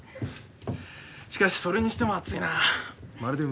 しかしそれにしても暑いなあ。